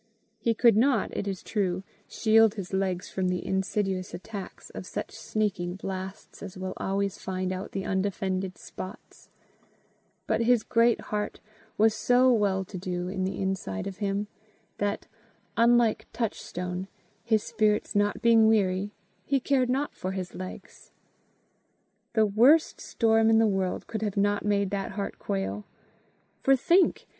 He could not, it is true, shield his legs from the insidious attacks of such sneaking blasts as will always find out the undefended spots; but his great heart was so well to do in the inside of him, that, unlike Touchstone, his spirits not being weary, he cared not for his legs. The worst storm in the world could not have made that heart quail. For, think!